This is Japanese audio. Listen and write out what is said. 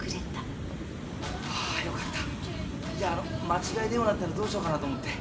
間違い電話だったらどうしようかなと思って。